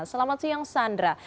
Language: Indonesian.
selamat siang sandra